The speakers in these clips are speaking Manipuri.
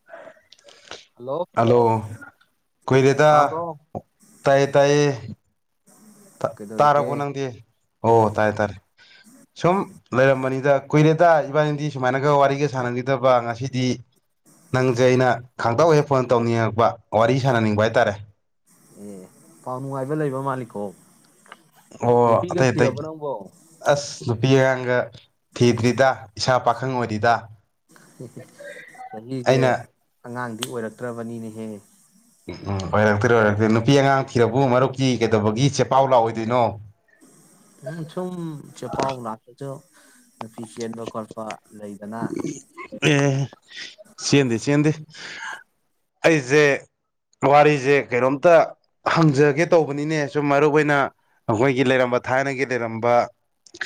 ꯑꯣ [inaudible] ꯍꯜꯂꯣ ꯀꯨꯏꯔ‌ꯦꯗ ꯇꯥꯕ꯭ꯔꯣ ꯇꯥꯏꯌꯦ ꯇꯥꯏꯌꯦ ꯀꯩꯗꯧꯔꯤꯒꯦ ꯇꯥꯔꯕꯣ ꯅꯪꯗꯤ ꯍꯣ ꯇꯥꯔꯦ ꯇꯥꯔꯦ ꯁꯨꯝ ꯂꯩꯔꯝꯕꯅꯤꯗ ꯀꯨꯏꯔꯦꯗ ꯏꯕꯥꯅꯤꯗꯤ ꯁꯨꯃꯥꯏꯅꯒ ꯋꯥꯔꯤꯒ ꯁꯥꯟꯅꯒꯤꯗꯕ ꯉꯁꯤꯗꯤ ꯅꯪꯖꯦ ꯑꯩꯅ ꯈꯥꯡꯇꯧ ꯍꯦꯛ ꯐꯣꯟ ꯇꯧꯅꯤꯡꯉꯛꯄ ꯋꯥꯔꯤ ꯁꯥꯟꯅꯅꯤꯡꯕ ꯍꯥꯏꯇꯥꯔꯦ ꯑꯦ ꯄꯥꯎ ꯅꯨꯡꯉꯥꯏꯕ ꯂꯩꯕ ꯃꯥꯜꯂꯤꯀꯣ ꯑꯣ ꯅꯨꯄꯤꯒ ꯑꯇꯩꯇꯩ ꯊꯤꯔꯕ ꯅꯪꯕꯣ ꯑꯁ ꯅꯨꯄꯤ ꯑꯉꯥꯡ ꯒ ꯊꯤꯗ꯭ꯔꯤꯗ ꯏꯁꯥ ꯄꯥꯈꯪ ꯑꯣꯏꯔꯤꯗ ꯆꯍꯤꯁꯦ ꯑꯩꯅ ꯑꯉꯥꯡ ꯗꯤ ꯑꯣꯏꯔꯛꯇ꯭ꯔꯕꯅꯤ ꯅꯦꯍꯦ ꯎꯝ ꯑꯣꯏꯔꯛꯇꯣꯔꯦ ꯑꯣꯏꯔꯛꯇꫭꯔꯦ ꯅꯨꯄꯤ ꯑꯉꯥꯡ ꯊꯤꯔꯕꯨ ꯃꯔꯨꯞꯀꯤ ꯀꯩꯗꯧꯕꯒꯤ ꯆꯦ ꯄꯥꯎ ꯂꯥꯛ ꯑꯣꯏꯗꯣꯏꯅꯣ ꯎꯝ ꯁꯨꯝ ꯆꯦꯄꯥꯎ ꯂꯥꯛꯇꯔꯁꯨ ꯅꯨꯄꯤ ꯆꯦꯟꯕ ꯈꯣꯠꯄ ꯂꯩꯗꯅ ꯑꯦ ꯆꯦꯟꯗ‌‌ꯦ ꯆꯦꯟꯗꯦ ꯑꯩꯁꯦ ꯋꯥꯔꯤꯁꯦ ꯀꯩꯅꯣꯝꯇ ꯍꯪꯖꯒꯦ ꯇꯧꯕꯅꯤꯅꯦ ꯁꯨꯝ ꯃꯔꯨ ꯑꯣꯏꯅ ꯑꯩꯈꯣꯏꯒꯤ ꯂꯩꯔꯝꯕ ꯊꯥꯏꯅꯒꯤ ꯂꯩꯔꯝꯕ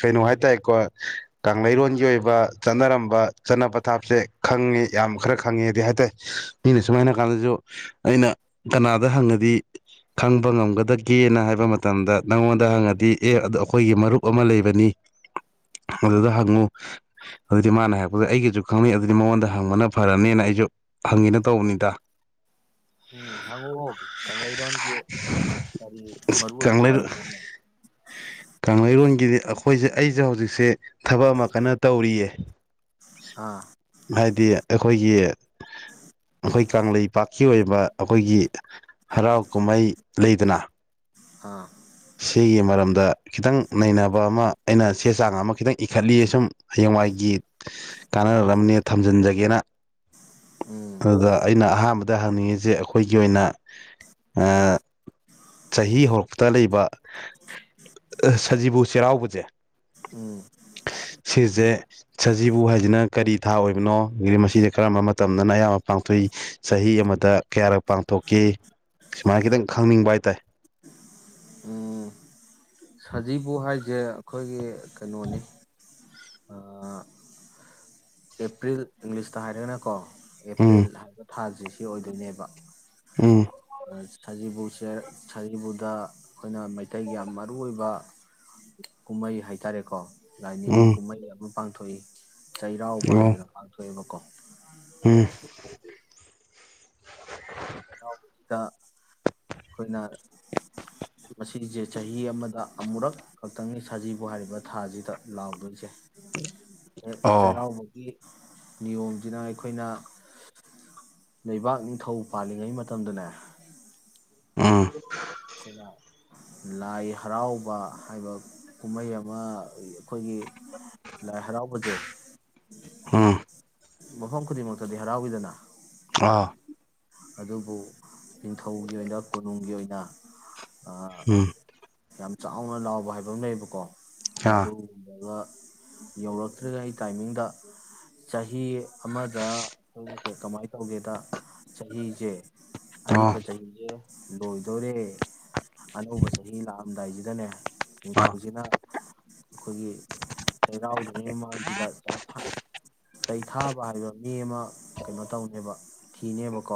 ꯀꯩꯅꯣ ꯍꯥꯏꯇꯥꯔꯦꯀꯣ ꯀꯪꯂꯩꯔꯣꯟꯒꯤ ꯑꯣꯏꯕ ꯆꯠꯅꯔꯝꯕ ꯆꯠꯅ ꯄꯊꯥꯞꯁꯦ ꯈꯪꯉꯦ ꯌꯥꯝ ꯈꯔ ꯈꯪꯉꯦꯗꯤ ꯍꯥꯏ ꯇꯔꯦ ꯃꯤꯅ ꯁꯨꯃꯥꯏꯅ ꯍꯥꯏ ꯀꯥꯟꯗꯁꯨ ꯑꯩꯅ ꯀꯅꯥꯗ ꯍꯪꯉꯗꯤ ꯈꯪꯕ ꯉꯝꯒꯗꯒꯦꯅ ꯍꯥꯏꯕ ꯃꯇꯝꯗ ꯅꯪꯉꯣꯟꯗ ꯍꯪꯉꯗꯤ ꯑꯦ ꯑꯗꯨ ꯑꯩꯈꯣꯏꯒꯤ ꯃꯔꯨꯞ ꯑꯃ ꯂꯩꯕꯅꯤ ꯑꯗꯨꯗ ꯍꯪꯉꯨ ꯑꯗꯨꯗꯤ ꯃꯥꯅ ꯍꯥꯏꯔꯛꯄꯗ ꯑꯩꯒꯁꯨ ꯈꯪꯅꯩ ꯑꯗꯨꯗꯤ ꯃꯉꯣꯟꯗ ꯍꯪꯕꯅ ꯐꯔꯅꯤꯅ ꯑꯩꯁꯨ ꯍꯪꯒꯦꯅ ꯇꯧꯕꯅꯤꯗ ꯎꯝ ꯍꯪꯉꫭꯑꫭ ꯀꯪꯂꯩꯔꯣꯟꯒꯤ ꯀꯔꯤ ꯃꯔꯨ ꯑꯣꯏꯕ ꯀꯪꯂꯩ ꯋꯥꯔꯤꯅꯣꯅꯦ ꯀꯪꯂꯩꯔꯣꯟꯒꯤꯗꯤ ꯑꯩꯈꯣꯏꯁꯦ ꯑꯩꯁꯦ ꯍꯧꯖꯤꯛꯁꯦ ꯊꯕꯛ ꯑꯃ ꯀꯟꯅ ꯇꯧꯔꯤꯌꯦ ꯑꯥ ꯍꯥꯏꯗꯤ ꯑꯩꯈꯣꯏꯒꯤ ꯑꯩꯈꯣꯏ ꯀꯪꯂꯩꯄꯥꯛꯀꯤ ꯑꯣꯏꯕ ꯑꯩꯈꯣꯏꯒꯤ ꯍꯔꯥꯎ ꯀꯨꯝꯍꯩ ꯂꯩꯗꯅ ꯑꯥ ꯁꯤꯒꯤ ꯃꯔꯝꯗ ꯈꯤꯇꯪ ꯅꯩꯅꯕ ꯑꯃ ꯑꯩꯅ ꯆꯦ ꯆꯥꯡ ꯑꯃ ꯈꯤꯇꯪ ꯏꯈꯠꯂꯤꯌꯦ ꯁꯨꯝ ꯍꯌꯦꯡꯋꯥꯏꯒꯤ ꯀꯥꯟꯅꯔꯕꯅꯦ ꯊꯝꯖꯤꯟꯖꯒꯦꯅ ꯎꯝ ꯑꯗꯨꯗ ꯑꯩꯅ ꯑꯍꯥꯟꯕꯗ ꯗ ꯍꯪꯅꯤꯡꯉꯤꯁꯦ ꯑꯩꯈꯣꯏꯒꯤ ꯑꯣꯏꯅ ꯆꯍꯤ ꯍꯧꯔꯛꯄꯗ ꯂꯩꯕ ꯕ ꯁꯖꯤꯕꯨ ꯆꯩꯔꯥꯎꯕꯁꯦ ꯎꯝ ꯁꯤꯁꯦ ꯁꯖꯤꯕꯨ ꯍꯥꯏꯁꯤꯅ ꯀꯔꯤ ꯊꯥ ꯑꯣꯏꯕꯅꯣ ꯃꯁꯤꯁꯦ ꯀꯔꯝꯕ ꯃꯇꯝꯗꯅ ꯑꯌꯥꯝꯕ ꯄꯥꯡꯊꯣꯛꯏ ꯆꯍꯤ ꯑꯃꯗ ꯀꯌꯥꯔꯛ ꯄꯥꯡꯊꯣꯛꯀꯦ ꯁꯨꯃꯥꯏꯅ ꯈꯤꯇꯪ ꯈꯪꯅꯤꯡꯕ ꯍꯥꯏ ꯇꯥꯏ ꯎꯝ ꯁꯖꯤꯕꯨ ꯍꯥꯏ ꯁꯦ ꯑꯩꯈꯣꯏꯒꯤ ꯀꯩꯅꯣꯅꯤ ꯑꯥ ꯑꯦꯄ꯭ꯔꯤꯜ ꯏꯪꯂꯤꯁꯇ ꯍꯥꯏꯔꯒꯅ ꯀꯣ ꯑꯦꯄ꯭ꯔꯜ ꯎꯝ ꯍꯥꯏꯕ ꯊꯥꯖꯤ ꯁꯤ ꯑꯣꯏꯗꯣꯏꯅꯦꯕ ꯎꯝ ꯁꯖꯤꯕꯨꯁꯦ ꯁꯖꯤꯕꯨꯗ ꯑꯩꯈꯣꯏꯅ ꯃꯩꯇꯩꯒꯤ ꯌꯥꯝ ꯃꯔꯨ ꯑꯣꯏꯕ ꯀꯨꯝꯍꯩ ꯍꯥꯏꯇꯥꯔꯦꯀꯣ ꯂꯥꯏꯅꯤꯡ ꯎꯝ ꯀꯨꯝꯍꯩ ꯌꯥꯕꯨ ꯄꯥꯡꯊꯣꯛꯏ ꯆꯩ ꯋꯥ ꯍꯥꯏꯗꯅ ꯄꯥꯡꯊꯣꯛꯑꯦꯕꯀꯣ ꯎꯝ ꯁꯤꯗ ꯑꯩꯈꯣꯏꯅ ꯃꯁꯤꯁꯦ ꯆꯍꯤ ꯑꯃꯗ ꯑꯃꯨꯔꯛ ꯈꯛꯇꯪꯅꯤ ꯁꯖꯤꯕꯨ ꯍꯥꯏꯔꯤꯕ ꯊꯥꯁꯤꯗ ꯂꯥꯎꯗꯣꯏꯁꯦ ꯆꯩ ꯑꯣ ꯆꯩꯔꯥꯎꯕꯒꯤ ꯅꯤꯌꯣꯝꯁꯤꯅ ꯑꯩꯈꯣꯏꯅ ꯂꯩꯕꯥꯛ ꯅꯤꯡꯊꯧ ꯄꯥꯜꯂꯤꯉꯩ ꯃꯇꯝ ꯃꯇꯝꯗꯅꯦ ꯎꯝ ꯈꯣꯂꯥꯎ ꯂꯥꯏ ꯍꯔꯥꯎꯕ ꯍꯥꯏꯕ ꯀꯨꯝꯃꯩ ꯑꯃ ꯑꯩꯈꯣꯏꯒꯤ ꯂꯥꯏ ꯍꯔꯥꯎꯕꯖꯦ ꯍꯝ ꯃꯐꯝ ꯈꯨꯗꯤꯡꯃꯛꯇꯗꯤ ꯍꯔꯥꯎꯋꯤꯗꯅ ꯑꯥ ꯑꯗꯨꯕꯨ ꯅꯤꯡꯊꯧꯒꯤ ꯑꯣꯏꯅ ꯀꯣꯅꯨꯡꯒꯤ ꯑꯣꯏꯅ ꯑꯥ ꯑ ꯑ ꯎꯝ ꯌꯥꯝ ꯆꯥꯎꯅ ꯂꯥꯎꯕ ꯍꯥꯏꯕ ꯑꯃ ꯂꯩꯌꯦꯕꯀꯣ ꯑꯥ ꯃꯗꯨ ꯎꯃꯒꯥ ꯌꯧꯔꯛꯇ꯭ꯔꯤ ꯉꯩ ꯇꯥꯏꯃꯤꯡꯗ ꯆꯍꯤ ꯑꯃꯗ ꯑꯗꯨꯅꯇ ꯀꯃꯥꯏ ꯇꯧꯒꯦꯗ ꯆꯍꯤꯖꯦ ꯑꯣ ꯑꯔꯤꯕ ꯆꯥꯍꯤꯖꯦ ꯂꯣꯏꯗꯣꯔꯦ ꯑꯅꯧꯕ ꯆꯍꯤ ꯂꯥꯛ ꯍꯝꯗꯥꯏꯁꯤꯗꯅꯦ ꯌꯦ ꯑꯥ ꯊꯧꯕꯁꯤꯅ ꯑꯈꯣꯏꯒꯤ ꯆꯩꯔꯥꯎꯗ꯭ꯔꯤꯉꯩ ꯃꯃꯥꯡꯖꯤꯗ ꯆꯩ ꯊ ꯆꯩꯊꯥꯕ ꯍꯥꯏꯕ ꯒꯤ ꯑꯃ ꯀꯩꯅꯣ ꯇꯧꯅꯤꯕ ꯊꯤꯅꯦꯕ ꯀꯣ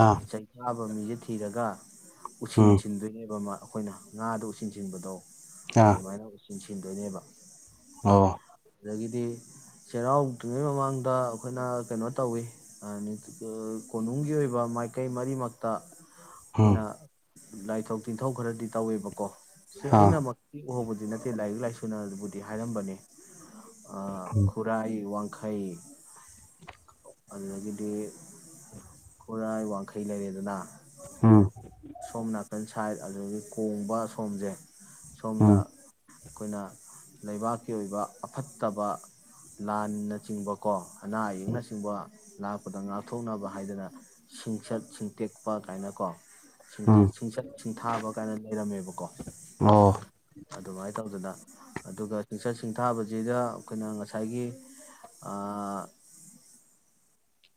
ꯑꯥ ꯆꯩꯆꯥꯕ ꯑꯕ ꯃꯤꯖꯦ ꯊꯤꯔꯒ ꯎꯁꯤꯟ ꯎꯝ ꯆꯤꯟꯗꯣꯏꯅꯦꯕ ꯃꯥ ꯑꯈꯣꯏꯅ ꯉꯥꯗ ꯎꯁꯤꯡ ꯁꯤꯡꯕꯗꯣ ꯑꯗꯨ ꯃꯥꯏꯅ ꯎꯁꯤꯟ ꯊꯤꯟꯗꯣꯏꯅꯦꯕ ꯑꯧ ꯑꯗꯒꯤꯗꯤ ꯆꯩꯔꯥꯎꯗ꯭ꯔꯤꯉꯩ ꯃꯃꯥꯡꯗ ꯑꯈꯣꯏꯅ ꯀꯩꯅꯣ ꯇꯧꯋꯤ ꯑ ꯀꯣꯅꯨꯡꯒꯤ ꯑꯣꯏꯕ ꯃꯥꯏꯀꯩ ꯃꯔꯤꯃꯛꯇ ꯎꯝ ꯑꯈꯣꯏꯅ ꯂꯥꯏꯊꯣꯛ ꯇꯤꯟꯊꯧ ꯈꯔꯗꯤ ꯇꯧꯋꯦꯕꯀꯣ ꯁꯤ ꯑꯥ ꯑꯩꯅ ꯃꯣꯇꯤ ꯎꯍꯧꯕꯗꯤ ꯅꯠꯇꯦ ꯂꯥꯏꯔꯤꯛ ꯂꯥꯏꯁꯨꯅꯕꯨꯗꯤ ꯍꯥꯏꯔꯝꯕꯅꯤ ꯑ ꯈꯨꯔꯥꯏ ꯋꯥꯡꯈꯩ ꯑꯗꯨꯗꯒꯤꯗꯤ ꯈꯨꯔꯥꯏ ꯋꯥꯡꯈꯩ ꯂꯩꯔꯦꯗꯅ ꯎꯝ ꯁꯣꯝ ꯅꯥꯀꯟ ꯁꯥꯏꯠ ꯑꯗꯒꯤ ꯀꯣꯡꯕ ꯁꯣꯝꯖꯦ ꯁꯣꯝꯗ ꯎꯝ ꯑꯈꯣꯏꯅ ꯂꯩꯕꯥꯛꯀꯤ ꯑꯣꯏꯕ ꯑꯐꯠꯇꯕ ꯂꯥꯟꯅꯆꯤꯡꯕꯀꯣ ꯑꯅꯥ ꯑꯌꯦꯛꯅ ꯆ ꯎꯕ ꯂꯥꯛꯄꯗ ꯉꯥꯛꯊꯣꯛꯅꯕ ꯍꯥꯏꯗꯅ ꯁꯤꯡꯆꯠ ꯁꯤꯡꯇꯦꯛꯄ ꯀꯥꯏꯅꯀꯣ ꯎꯝ ꯁꯥꯡꯊꯠ ꯁꯤꯡꯆꯠ ꯁꯤꯡꯊꯥꯕ ꯀꯥꯏꯅ ꯂꯩꯔꯝꯃꯦꯕꯀꯣ ꯑꯣ ꯑꯗꯨꯃꯥꯏꯟ ꯇꯧꯗꯅ ꯑꯗꯨꯒ ꯁꯤꯡꯆꯠ ꯁꯤꯡꯊꯥꯕꯖꯤꯗ ꯑꯈꯣꯏꯅ ꯉꯁꯥꯏꯒꯤ ꯑ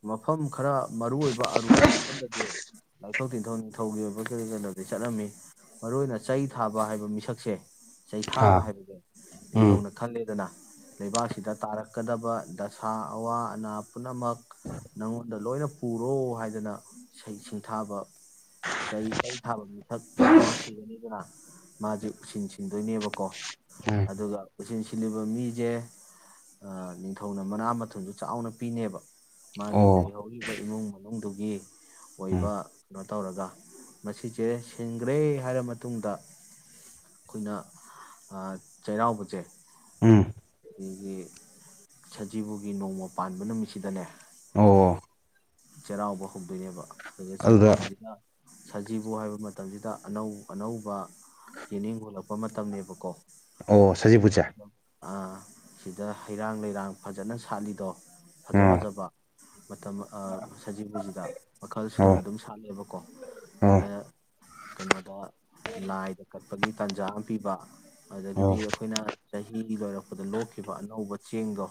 ꯃꯐꯝ ꯈꯔ ꯃꯔꯨ ꯑꯣꯏꯕ ꯑꯔꯨꯕ ꯃꯐꯝꯗꯗꯤ ꯂꯥꯏꯊꯧ ꯇꯤꯟꯊꯧ ꯅꯤꯡꯊꯧꯒꯤ ꯑꯣꯏꯕ ꯀꯔꯤꯒꯤꯅꯣꯗꯤ ꯆꯠꯂꯝꯃꯤ ꯃꯔꯨ ꯑꯣꯏꯅ ꯆꯩ ꯊꯥꯕ ꯍꯥꯏꯕ ꯃꯤꯁꯛꯁꯦ ꯆꯩ ꯊꯥꯕ ꯑꯥ ꯍꯥꯏꯕꯗꯣ ꯎꯝ ꯅꯤꯡꯊꯧꯅ ꯈꯜꯂꯦꯗꯅ ꯂꯩꯕꯥꯛꯁꯤꯗ ꯇꯥꯔꯛꯀꯗꯕ ꯗꯁꯥ ꯑꯋꯥ ꯑꯅꯥ ꯄꯨꯟꯅꯃꯛ ꯅꯪꯉꯣꯟꯗ ꯂꯣꯏꯅ ꯄꯨꯔꯣ ꯍꯥꯏꯗꯅ ꯁꯩ ꯁꯤꯡꯊꯥꯕ ꯆꯩ ꯆꯩ ꯊꯥꯕ ꯃꯤꯁꯛ ꯑꯃ ꯊꯤꯒꯅꯤꯗꯅ ꯃꯥꯖꯦ ꯎꯁꯤꯟ ꯁꯤꯟꯗꯣꯏꯅꯦꯕꯀꯣ ꯎꯝ ꯑꯗꯨꯒ ꯎꯁꯤꯟ ꯁꯤꯜꯂꯤꯕ ꯃꯤꯖꯦ ꯑ ꯅꯤꯡꯊꯧꯅ ꯃꯅꯥ ꯃꯊꯨꯖꯨ ꯆꯥꯎꯅ ꯄꯤꯅꯦꯕ ꯃꯥꯒꯤ ꯑꯣ ꯂꯩꯍꯧꯔꯤꯕ ꯏꯃꯨꯡ ꯃꯅꯨꯡꯗꯨꯒꯤ ꯎꯝ ꯑꯣꯏꯕ ꯀꯅꯣ ꯇꯧꯔꯒ ꯃꯁꯤꯖꯦ ꯁꯤꯟꯈ꯭ꯔꯦ ꯍꯥꯏꯔ ꯃꯇꯨꯡꯗ ꯈꯨꯟꯅ ꯆꯩꯔꯥꯎꯕꯖꯦ ꯎꯝ ꯑꯗꯒꯤ ꯁꯖꯤꯕꯨꯒꯤ ꯅꯣꯡꯃ ꯄꯥꯟꯕ ꯅꯨꯃꯤꯠꯁꯤꯗꯅꯦ ꯑꯣ ꯆꯩꯔꯥꯎꯕ ꯍꯧꯗꯣꯏꯅꯦꯕ ꯐꯖ ꯑꯗꯨꯗ ꯆꯩꯔꯥꯎꯕꯖꯤꯅ ꯁꯖꯤꯕꯨ ꯍꯥꯏꯕ ꯃꯇꯝꯖꯤꯗ ꯑꯅꯧ ꯑꯅꯧꯕ ꯌꯦꯅꯤꯡ ꯍꯨꯂꯛꯄ ꯃꯇꯝꯅꯦꯕꯀꯣ ꯑꯣ ꯁꯖꯤꯕꯨꯁꯦ ꯑꯥ ꯁꯤꯗ ꯍꯩꯔꯥꯡ ꯂꯩꯔꯥꯡ ꯐꯖꯅ ꯁꯥꯠꯂꯤꯗꯣ ꯐꯖ ꯑꯣ ꯐꯖꯕ ꯃꯇꯝ ꯁꯖꯤꯕꯨꯖꯤꯗ ꯃꯈꯜ ꯑꯣ ꯁꯨꯅ ꯑꯗꯨꯝ ꯁꯥꯠꯂꯦꯕꯀꯣ ꯑꯣ ꯁꯤꯗ ꯀꯩꯅꯣꯗ ꯂꯥꯏꯗ ꯀꯠꯄꯒꯤ ꯇꯥꯟꯖꯥ ꯑꯃ ꯄꯤꯕ ꯑꯣ ꯑꯗꯒꯤꯗꯤ ꯑꯩꯈꯣꯏꯅ ꯆꯍꯤ ꯂꯣꯏꯔꯛꯄꯗ ꯂꯣꯛꯈꯤꯕ ꯑꯅꯧꯕ ꯆꯦꯡꯗꯣ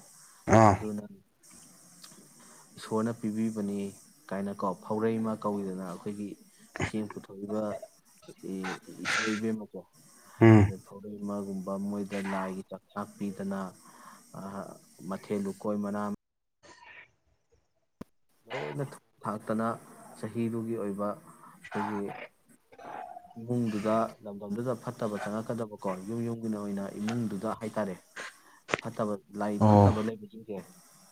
ꯑꯥ ꯃꯗꯨꯅ ꯏꯁꯣꯔꯅ ꯄꯤꯕꯤꯕꯅꯤ ꯀꯥꯏꯅꯀꯣ ꯐꯧꯔꯩ ꯑꯃ ꯀꯧꯏꯤꯗꯅ ꯑꯩꯈꯣꯏꯒꯤ ꯆꯦꯡ ꯄꯨꯊꯣꯛꯏꯕ ꯏꯁꯣꯔ ꯏꯕꯦꯝꯃꯀꯣ ꯎꯝ ꯑꯗ ꯐꯧꯔꯩ ꯑꯃꯒꯨꯝꯕ ꯃꯣꯏꯗ ꯂꯥꯏꯒꯤ ꯆꯥꯛꯆꯥꯛ ꯄꯤꯗꯅ ꯃꯊꯦꯜ ꯂꯨꯀꯣꯏ ꯃꯅꯥ ꯂꯣꯏꯅ ꯊꯥꯛꯇꯅ ꯆꯍꯤꯗꯨꯒꯤ ꯑꯣꯏꯕ ꯑꯩꯈꯣꯏꯒꯤ ꯏꯃꯨꯡꯗꯨꯗ ꯂꯝꯗꯝꯗꯨꯗ ꯐꯠꯇꯕ ꯆꯪꯉꯛꯀꯗꯕꯀꯣ ꯌꯨꯝ ꯌꯨꯝꯒꯤ ꯑꯣꯏꯅ ꯏꯃꯨꯡꯗꯨꯗ ꯍꯥꯏ ꯇꯔꯦ ꯐꯠꯇꯕ ꯂꯥꯏꯛ ꯑꯣ ꯐꯠꯇꯕ ꯂꯩꯕꯁꯤꯡꯁꯦ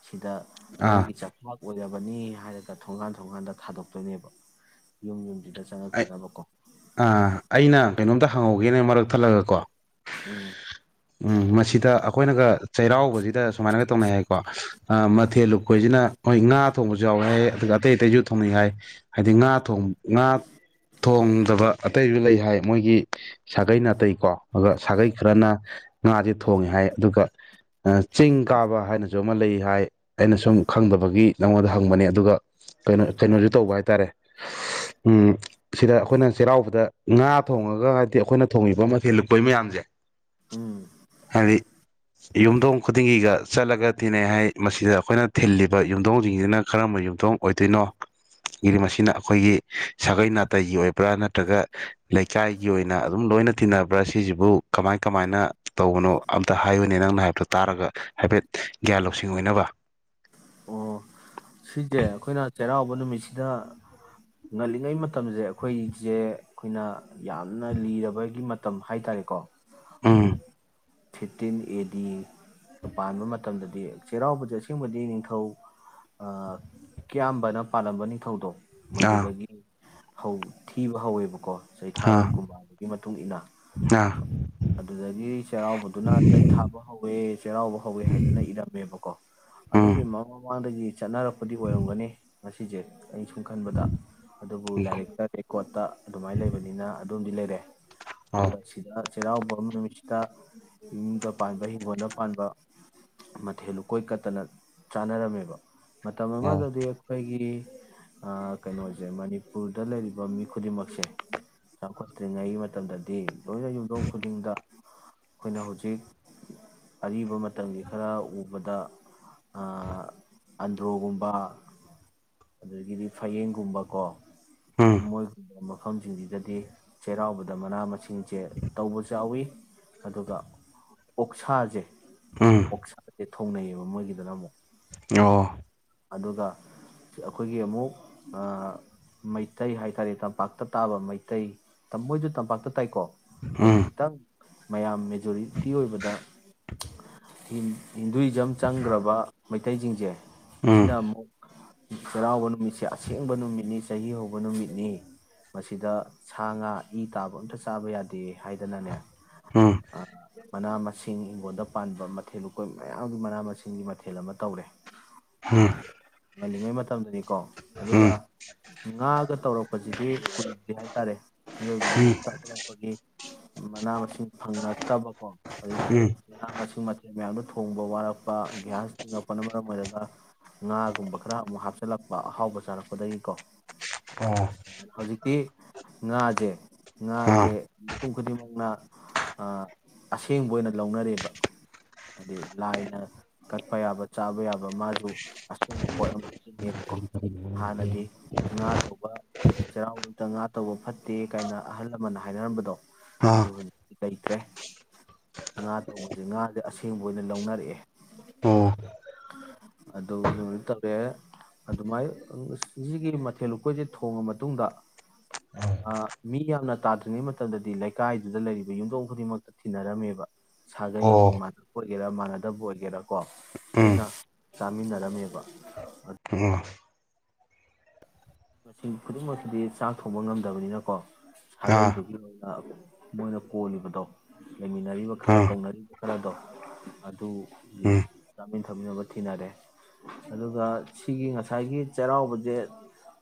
ꯁꯤꯗ ꯑꯥ ꯅꯣꯏꯒꯤ ꯆꯥꯛ ꯑꯣꯏꯔꯕꯅꯤ ꯍꯥꯏꯔꯒ ꯊꯣꯡꯒꯥꯟ ꯊꯣꯡꯒꯥꯟꯗ ꯊꯥꯗꯣꯛꯇꯣꯏꯅꯦꯕ ꯌꯨꯝ ꯌꯨꯝꯁꯤꯗ ꯑꯩ ꯆꯪꯉꯛꯇꯅꯕꯀꯣ ꯑꯥ ꯑꯩꯅ ꯀꯩꯅꯣꯝꯇ ꯍꯪꯍꯧꯒꯦꯅꯦ ꯃꯔꯛ ꯊꯜꯂꯒ ꯀꯣ ꯎꯝ ꯎꯝ ꯃꯁꯤꯗ ꯑꯩꯈꯣꯏꯅꯒ ꯆꯩꯔꯥꯎꯕꯁꯤꯗ ꯁꯨꯃꯥꯏꯅꯒ ꯇꯧꯅꯩ ꯍꯥꯏꯀꯣ ꯃꯊꯦꯜ ꯂꯨꯞꯄꯣꯏꯁꯤꯅ ꯃꯣꯏ ꯉꯥ ꯊꯣꯡꯕꯁꯨ ꯌꯥꯎꯋꯦ ꯍꯥꯏ ꯑꯗꯨꯒ ꯑꯇꯩ ꯑꯇꯩꯁꯨ ꯊꯣꯡꯅꯩ ꯍꯥꯏ ꯍꯥꯏꯗꯤ ꯉꯥ ꯉꯥ ꯊꯣꯡꯗꯕ ꯑꯇꯩꯁꯨ ꯂꯩ ꯍꯥꯏ ꯃꯣꯏꯒꯤ ꯁꯥꯒꯩ ꯅꯥꯇꯩꯀꯣ ꯑꯗꯨꯒ ꯁꯥꯒꯩ ꯈꯔꯅ ꯉꯥꯁꯦ ꯊꯣꯡꯉꯦ ꯍꯥꯏ ꯑꯗꯨꯒ ꯆꯤꯡ ꯀꯥꯕ ꯍꯥꯏꯅꯁꯨ ꯑꯃ ꯂꯩ ꯍꯥꯏ ꯑꯩꯅ ꯁꯨꯝ ꯈꯪꯗꯕꯒꯤ ꯅꯉꯣꯟꯗ ꯍꯪꯕꯅꯦ ꯑꯗꯨꯒ ꯀꯩꯅꯣ ꯀꯩꯅꯣꯁꯨ ꯇꯧꯕ ꯍꯥꯏꯇꯥꯔꯦ ꯎ ꯁꯤꯗ ꯑꯩꯈꯣꯏꯅ ꯆꯩꯔꯥꯎꯕꯗ ꯉꯥ ꯊꯣꯡꯉꯒ ꯍꯥꯏꯗꯤ ꯑꯩꯈꯣꯏꯅ ꯊꯣꯡꯉꯤꯕ ꯃꯊꯦꯜ ꯂꯨꯄꯒꯤ ꯃꯌꯥꯝꯁꯦ ꯎꯝ ꯍꯥꯏꯗꯤ ꯌꯨꯝꯊꯣꯡ ꯈꯨꯗꯤꯡꯒꯤꯒ ꯆꯠꯂꯒ ꯇꯤꯟꯅꯩ ꯍꯥꯏ ꯃꯁꯤꯗ ꯑꯩꯈꯣꯏꯅ ꯊꯤꯜꯂꯤꯕ ꯌꯨꯝꯊꯣꯡꯁꯤꯡꯁꯤꯅ ꯀꯔꯝꯕ ꯌꯨꯝꯊꯣꯡ ꯑꯣꯏꯗꯣꯏꯅꯣ ꯒꯤꯗꯤ ꯃꯁꯤꯅ ꯑꯩꯈꯣꯏꯒꯤ ꯁꯥꯒꯩ ꯅꯥꯇꯩꯒꯤ ꯑꯣꯏꯕ꯭ꯔꯥ ꯅꯠꯇ꯭ꯔꯒ ꯂꯩꯀꯥꯏꯒꯤ ꯑꯣꯏꯅ ꯑꯗꯨꯝ ꯂꯣꯏꯅ ꯇꯤꯟꯅꯕ꯭ꯔꯥ ꯁꯤꯁꯤꯕꯨ ꯀꯃꯥꯏ ꯀꯃꯥꯏꯅ ꯇꯧꯕꯅꯣ ꯑꯝꯇ ꯍꯥꯏꯌꯨꯅꯦ ꯅꯪꯅ ꯍꯥꯏꯕꯗꯨ ꯇꯥꯔꯒ ꯍꯥꯏꯐꯦꯠ ꯒ꯭ꯌꯥꯟ ꯂꯧꯁꯤꯡ ꯑꯣꯏꯅꯕ ꯁꯤꯖꯦ ꯑꯩꯈꯣꯏꯅ ꯆꯩꯔꯥꯎꯕ ꯅꯨꯃꯤꯠꯁꯤꯗ ꯉꯜꯂꯤꯉꯩ ꯃꯇꯝꯁꯦ ꯑꯩꯈꯣꯏꯁꯦ ꯑꯩꯈꯣꯏꯅ ꯌꯥꯝꯅ ꯂꯤꯔꯕꯒꯤ ꯃꯇꯝ ꯍꯥꯏ ꯇꯔꯦꯀꯣ ꯑꯩꯈꯣꯏ ꯎꯝ ꯐꯤꯐꯇꯤꯟ ꯑꯦ ꯗꯤ ꯄꯥꯟꯕ ꯃꯇꯝꯗꯗꯤ ꯆꯩꯔꯥꯎꯕꯁꯦ ꯑꯁꯦꯡꯕꯗꯤ ꯅꯤꯡꯊꯧ ꯀꯌꯥꯝꯕꯅ ꯄꯥꯜꯂꯝꯕ ꯅꯤꯡꯊꯧꯗꯣ ꯑꯥ ꯃꯗꯨꯗꯒꯤ ꯊꯤꯕ ꯍꯧꯋꯦꯕꯀꯣ ꯆꯩꯊꯥꯔꯣ ꯑꯥ ꯀꯨꯝꯕ ꯑꯗꯨꯒꯤ ꯃꯇꯨꯡ ꯃꯇꯨꯡꯏꯟꯅ ꯑꯥ ꯑꯗꯨꯗꯒꯤ ꯆꯩꯔꯥꯎꯕꯗꯨꯅ ꯆꯩ ꯊꯥꯕ ꯍꯧꯋꯦ ꯆꯩꯔꯥꯎꯕ ꯍꯧꯋꯦ ꯍꯥꯏꯗꯅ ꯏꯔꯝꯃꯦꯕꯀꯣ ꯎꯝ ꯑꯗꯨꯒꯤ ꯃꯃꯥꯡꯗꯒꯤ ꯆꯠꯅꯔꯛꯄꯗꯤ ꯑꯣꯏꯔꯝꯒꯅꯤ ꯉꯁꯤꯁꯦ ꯑꯩꯅ ꯁꯨꯝ ꯈꯟꯕꯗ ꯑꯗꯨꯕꯨ ꯂꯥꯏꯔꯤꯛꯇ ꯔꯦꯀꯣꯔꯠꯇ ꯑꯗꯨꯃꯥꯏꯅ ꯂꯩꯕꯅꯤꯅ ꯑꯗꯨꯣꯝꯗꯤ ꯂꯩꯔꯦ ꯑꯥ ꯑꯗꯨꯒ ꯁꯤꯗ ꯆꯩꯔꯥꯎꯕ ꯑꯃ ꯅꯨꯃꯤꯠꯁꯤꯗ ꯌꯃꯨꯡꯗ ꯄꯥꯟꯕ ꯍꯤꯡꯒꯣꯜꯗ ꯄꯥꯟꯕ ꯃꯊꯦꯜ ꯎꯨꯀꯣꯏ ꯀꯠꯇꯅ ꯆꯥꯅꯔꯝꯃꯦꯕ ꯃꯇꯝ ꯑꯥ ꯑꯃꯗꯗꯤ ꯑꯩꯈꯣꯏꯒꯤ ꯀꯩꯅꯣꯁꯦ ꯃꯅꯤꯄꯨꯔꯗ ꯂꯩꯔꯤꯕ ꯃꯤ ꯈꯨꯗꯤꯡꯃꯛꯁꯦ ꯆꯥꯎꯈꯠꯇ꯭ꯔꯤꯉꯩꯒꯤ ꯃꯇꯝꯗꯗꯤ ꯂꯣꯏꯅ ꯌꯨꯝꯊꯣꯡ ꯈꯨꯗꯤꯡꯗ ꯑꯩꯈꯣꯏꯅ ꯍꯧꯖꯤꯛ ꯑꯔꯤꯕ ꯃꯇꯝꯒꯤ ꯈꯔ ꯎꯕꯗ ꯑꯟꯗ꯭ꯔꯣꯒꯨꯝꯕ ꯑꯗꯨꯗꯒꯤꯗꯤ ꯐꯌꯦꯡꯒꯨꯝꯕꯀꯣ ꯎꯝ ꯃꯁ ꯃꯐꯝꯁꯤꯡꯁꯤꯗꯗꯤ ꯆꯩꯔꯥꯎꯕꯗ ꯃꯅꯥ ꯃꯁꯤꯡꯁꯦ ꯇꯧꯕꯁꯨ ꯆꯥꯎꯎꯋꯤ ꯑꯗꯨꯒ ꯑꯣꯛꯁꯥꯁꯦ ꯎꯝ ꯑꯣꯁ ꯊꯣꯡꯅꯩꯌꯦꯕ ꯃꯣꯏꯒꯤꯗꯨꯅ ꯑꯃꯨꯛ ꯑꯣ ꯑꯗꯨꯒ ꯑꯩꯈꯣꯏꯒꯤ ꯑꯃꯨꯛ ꯃꯩꯇꯩ ꯍꯥꯏꯇꯥꯔꯦ ꯇꯝꯄꯥꯛꯇ ꯇꯥꯕ ꯃꯩꯇꯩ ꯃꯣꯏꯁꯨ ꯇꯝꯄꯥꯛꯇ ꯇꯥꯏꯀꯣ ꯎꯝ ꯐꯗꯣꯇ ꯃꯌꯥꯝ ꯃꯦꯖꯣꯔꯤꯇꯤ ꯑꯣꯏꯕꯗ ꯍꯤꯟꯗꯨꯏꯖꯝ ꯆꯪꯈ꯭ꯔꯕ ꯃꯩꯇꯩꯁꯤꯡꯁꯦ ꯎꯝ ꯁꯤꯗꯥꯃꯛ ꯁꯔꯥꯎ ꯅꯨ ꯁꯦ ꯑꯁꯦꯡꯕ ꯅꯨꯃꯤꯠꯅꯤ ꯆꯍꯤ ꯍꯧꯕ ꯅꯨꯃꯤꯠꯅꯤ ꯃꯁꯤꯗ ꯁꯥ ꯉꯥ ꯏ ꯇꯥꯕ ꯑꯝꯇ ꯆꯥꯕ ꯌꯥꯗꯦ ꯍꯥꯏꯅꯗꯥꯏꯅꯦ ꯎꯝ ꯑ ꯃꯅꯥꯃ ꯁꯤꯡ ꯍꯤꯡꯒꯣꯜꯗ ꯄꯥꯟꯕ ꯃꯊꯦꯜ ꯂꯨꯀꯣꯏ ꯃꯌꯥꯝꯒꯤ ꯃꯅꯥ ꯃꯁꯤꯡꯒꯤ ꯃꯊꯦꯜ ꯑꯃ ꯇꯧꯔꯦ ꯎꯝ ꯉꯜꯂꯤꯉꯩ ꯃꯇꯝꯗꯗꯤ ꯀꯣ ꯑꯗꯨꯒ ꯎꯝ ꯉꯥꯒ ꯇꯧꯔꯛ ꯍꯧꯖꯤꯛꯇꯤ ꯀꯨꯏꯗꯦ ꯍꯥꯏꯇꯥꯔꯦ ꯌꯒꯗ ꯎꯝ ꯁꯥꯄꯄꯒꯤ ꯃꯅꯥ ꯃꯁꯤꯡ ꯐꯪꯉꯛꯇꯕꯀꯣ ꯑꯗꯨ ꯎꯝ ꯆꯂꯁꯨ ꯃ ꯃ ꯌꯥ ꯊꯣꯡꯕ ꯋꯥꯔꯛꯄ ꯒ꯭ꯌꯥꯁ ꯆꯤꯡꯉꯛꯄꯅ ꯃꯔꯝ ꯑꯣꯏꯔꯒ ꯉꯥꯒꯨꯝꯕ ꯈꯔ ꯑꯃꯨꯛ ꯍꯥꯞꯆꯤꯜꯂꯛꯄ ꯑꯍꯥꯎꯕ ꯆꯥꯔꯛꯄꯗꯒꯤꯀꯣ ꯑꯣ ꯁꯃꯥꯏꯅ ꯍꯧꯖꯤꯛꯇꯤ ꯉꯥꯁꯦ ꯉꯥꯁꯦ ꯑꯥ ꯃꯤꯄꯨꯝ ꯈꯨꯗꯤꯡꯃꯛꯅ ꯑꯁꯦꯡꯕ ꯑꯣꯏꯅ ꯂꯧꯅꯔꯦꯕ ꯍꯥꯏꯗꯤ ꯂꯥꯏꯅ ꯀꯠꯄ ꯌꯥꯕ ꯆꯥꯕ ꯌꯥꯕ ꯃꯥꯁꯨ ꯑꯁꯣꯡꯕ ꯄꯣꯠ ꯑꯗ ꯆꯤꯡꯉꯦꯕꯀꯣ ꯍꯥꯟꯅꯗꯤ ꯉꯥ ꯇꯧꯕ ꯆꯩꯔꯥꯎꯗꯇ ꯉꯥ ꯇꯧꯕ ꯐꯠꯇꯦ ꯀꯥꯏꯅ ꯑꯍꯜ ꯂꯃꯟꯅ ꯍꯥꯏꯅꯔꯝꯕꯗꯣ ꯑꯗꯨ ꯑꯥ ꯍꯧꯖꯤꯛꯇꯤ ꯂꯩꯇ꯭ꯔꯦ ꯉꯥ ꯇꯧꯕꯁꯦ ꯉꯥꯁꯦ ꯑꯁꯦꯡꯕ ꯑꯣꯏꯅ ꯂꯧꯅꯔꯛꯑꯦ ꯑꯣ ꯑꯗꯨꯥꯏ ꯇꯧꯔꯦ ꯑꯗꯨꯃꯥꯏꯅ ꯁꯤꯒꯤ ꯃꯊꯦꯜ ꯂꯨꯀꯣꯏꯁꯦ ꯊꯣꯡꯉ ꯃꯇꯨꯡꯗ ꯃꯤ ꯌꯥꯝꯅ ꯇꯥꯗ꯭ꯔꯤꯉꯩ ꯃꯇꯝꯗꯗꯤ ꯂꯩꯀꯥꯏꯗꯨꯗ ꯂꯩꯔꯤꯕ ꯌꯨꯝꯊꯣꯡ ꯈꯨꯗꯤꯡꯃꯛꯇ ꯊꯤꯟꯅꯔꯝꯃꯦꯕ ꯁꯥꯒꯩꯒꯤ ꯑꯣ ꯃꯥꯟꯅꯄ ꯑꯣꯏꯒꯦꯔꯥ ꯃꯥꯟꯅꯗꯕ ꯑꯣꯏꯒꯦꯔꯥꯀꯣ ꯎꯝ ꯑꯩꯈꯅ ꯆꯥꯃꯤꯟꯅꯔꯝꯃꯦꯕ ꯑꯗꯨ ꯑꯣ ꯃꯁꯤꯡ ꯈꯨꯗꯤꯡꯃꯛꯁꯤꯗꯤ ꯆꯥꯛ ꯊꯣꯡꯕ ꯉꯝꯗꯕꯅꯤꯅꯀꯣ ꯑꯥ ꯁꯥꯒꯩꯗꯨꯒꯤ ꯑꯣꯏꯅ ꯃꯣꯏꯅ ꯀꯣꯜꯂꯤꯕꯗꯣ ꯂꯩꯃꯤꯟꯅꯔꯤꯕ ꯈꯔ ꯑꯥ ꯀꯧꯅꯔꯤꯕ ꯈꯔꯗꯣ ꯑꯗꯨꯒꯤ ꯎꯝ ꯆꯥꯃꯤꯟ ꯊꯛꯃꯤꯟꯅꯕ ꯊꯤꯅꯔꯦ ꯑꯗꯨꯒ ꯁꯤꯒꯤ ꯉꯁꯥꯏꯒꯤ ꯆꯩꯔꯥꯎꯕꯁꯦ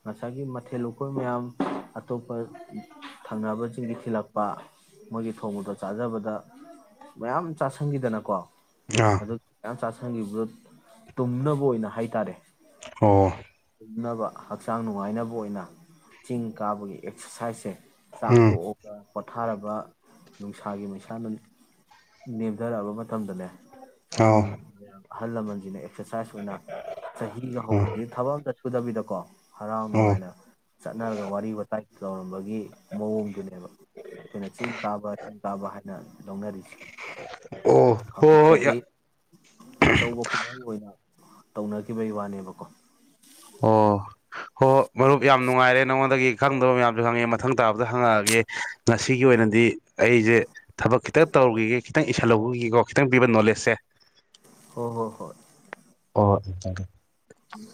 ꯉꯁꯥꯏꯒꯤ ꯃꯊꯦꯜ ꯂꯨꯀꯣꯏ ꯃꯌꯥꯝ ꯑꯇꯣꯞꯄ ꯊꯪꯅꯕꯁꯤꯡꯒꯤ ꯊꯤꯜꯂꯛꯄ ꯃꯣꯏꯒꯤ ꯊꯣꯡꯕꯗꯣ ꯆꯥꯖꯕꯗ ꯃꯌꯥꯝ ꯆꯥꯥꯁꯟꯈꯤꯗꯅꯀꯣ ꯑꯥ ꯑꯗꯨꯒꯤ ꯃꯌꯥꯝ ꯆꯥꯥꯁꯟꯈꯤꯕꯗꯣ ꯇꯨꯝꯅꯕ ꯑꯣꯏꯅ ꯍꯥꯏꯇꯥꯔꯦ ꯑꯣ ꯇꯨꯝꯅꯕ ꯍꯛꯆꯥꯡ ꯅꯨꯡꯉꯥꯏꯅꯕ ꯑꯣꯏꯅ ꯆꯤꯡ ꯀꯥꯕꯒꯤ ꯑꯦꯛꯁꯔꯁꯥꯏꯖꯁꯦ ꯆꯥꯛ ꯎꯝ ꯇꯣꯛꯑꯒ ꯄꯣꯊꯥꯔꯕ ꯅꯨꯡꯁꯥꯒꯤ ꯃꯩꯁꯥꯅ ꯅꯦꯝꯊꯔꯛꯑꯕ ꯃꯇꯝꯗꯅꯦ ꯊꯝ ꯑꯥꯎ ꯑꯍꯜ ꯂꯃꯟꯁꯤꯅ ꯑꯦꯛꯁꯔꯁꯥꯏꯁ ꯑꯣꯏꯅ ꯆꯍꯤꯒ ꯎꯝ ꯍꯧꯕꯗꯤ ꯊꯕꯛ ꯑꯝꯇ ꯁꯨꯗꯕꯤꯗꯀꯣ ꯍꯔꯥꯎ ꯑꯣ ꯑꯣ ꯅꯨꯡꯉꯥꯏꯅ ꯆꯠꯅꯔꯒ ꯋꯥꯔꯤ ꯋꯥꯇꯥꯏ ꯇꯧꯔꯝꯕꯒꯤ ꯃꯑꯣꯡꯗꯨꯅꯦꯕ ꯑꯩꯈꯣꯏꯅ ꯆꯤꯡ ꯀꯥꯕ ꯆꯤꯡ ꯀꯥꯕ ꯍꯥꯏꯅ ꯂꯧꯅꯔꯤꯁꯦ ꯍꯣꯏ ꯍꯣꯏ ꯍꯧꯖꯤꯛꯇꯗꯤ ꯑꯆꯧꯕ ꯀꯨꯝꯍꯩ ꯑꯣꯏꯅ ꯇꯧꯅꯈꯤꯕꯒꯤ ꯋꯥꯅꯦꯕꯀꯣ ꯑꯣ ꯍꯣꯏ ꯃꯔꯨꯞ ꯌꯥꯝ ꯅꯨꯡꯉꯥꯏꯔꯦ ꯅꯉꯣꯟꯗꯒꯤ ꯈꯪꯗꯕ ꯃꯌꯥꯝꯁꯨ ꯈꯪꯉꯛꯑꯦ ꯃꯊꯪ ꯇꯥꯕꯗ ꯍꯪꯉꯛꯑꯒꯦ ꯉꯁꯤꯒꯤ ꯑꯣꯏꯅꯗꯤ ꯑꯩꯁꯦ ꯊꯕꯛ ꯈꯤꯇꯪ ꯇꯧꯔꯨꯈꯤꯒꯦ ꯈꯤꯇꯪ ꯏꯁꯤꯟꯍꯧꯕꯈꯤꯒꯀꯣ ꯈꯤꯇꯪ ꯄꯤꯕ ꯅꯣꯂꯦꯖꯁꯦ ꯍꯣꯏ ꯍꯣꯏ ꯍꯣꯏ ꯑꯣ ꯊꯦꯡ ꯎꯝ